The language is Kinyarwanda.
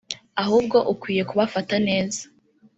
ahubwo ukwiye kubafata neza